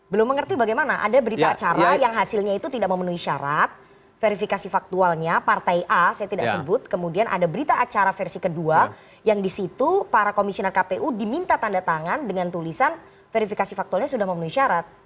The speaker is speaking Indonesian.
belum mengerti bagaimana ada berita acara yang hasilnya itu tidak memenuhi syarat verifikasi faktualnya partai a saya tidak sebut kemudian ada berita acara versi kedua yang disitu para komisioner kpu diminta tanda tangan dengan tulisan verifikasi faktualnya sudah memenuhi syarat